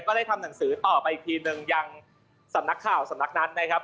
ได้ทำหนังสือต่อไปอีกทีนึงยังสำนักข่าวสำนักนั้นนะครับ